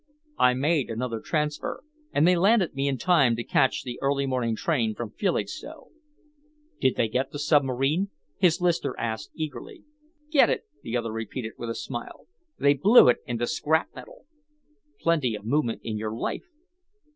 I made another transfer, and they landed me in time to catch the early morning train from Felixstowe." "Did they get the submarine?" his listener asked eagerly. "Get it!" the other repeated, with a smile. "They blew it into scrap metal." "Plenty of movement in your life!"